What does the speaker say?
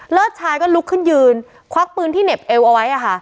ชายก็ลุกขึ้นยืนควักปืนที่เหน็บเอวเอาไว้อะค่ะ